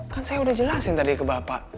kan saya udah jelasin tadi ke bapak